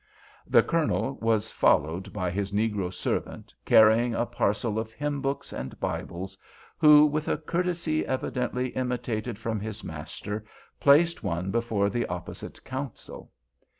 The Colonel was followed by his negro servant, carrying a parcel of hymn books and Bibles, who, with a courtesy evidently imitated from his master, placed one before the opposite counsel.